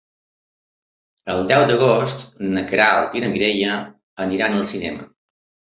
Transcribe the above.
El deu d'agost na Queralt i na Mireia aniran al cinema.